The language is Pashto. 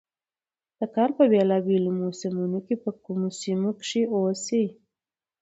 د کال په بېلا بېلو موسمونو کې په کومو سيمو کښې اوسي،